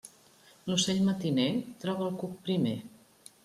L'ocell matiner troba el cuc primer.